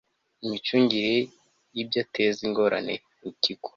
imicungire y ibyateza ingorane ikigo